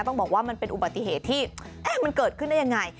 ต้องบอกว่ามันเป็นอุบัติเหตุที่มันเกิดขึ้นได้ยังไง